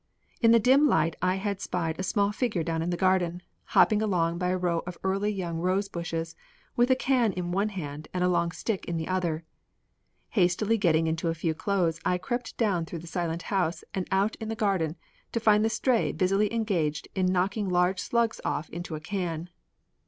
In the dim light I had spied a small figure down in the garden, hopping along by a row of early young rose bushes, with a can in one hand and a long stick in the other. Hastily getting into a few clothes I crept down through the silent house and out in the garden to find the Stray busily engaged in knocking large slugs off into a can.